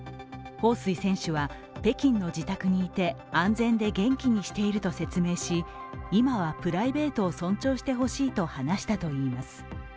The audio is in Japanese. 彭帥選手は北京の自宅にいて安全で元気にしていると説明し今はプライベートを尊重してほしいと話したといいます。